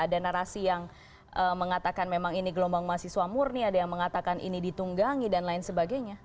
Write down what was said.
ada narasi yang mengatakan memang ini gelombang mahasiswa murni ada yang mengatakan ini ditunggangi dan lain sebagainya